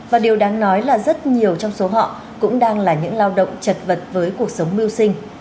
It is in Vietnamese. và điều đáng nói là rất nhiều trong số họ cũng đang là những lao động chật vật với cuộc sống mưu sinh